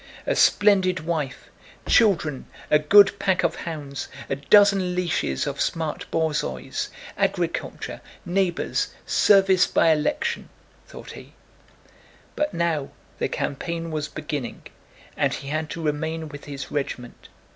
"A splendid wife, children, a good pack of hounds, a dozen leashes of smart borzois, agriculture, neighbors, service by election..." thought he. But now the campaign was beginning, and he had to remain with his regiment.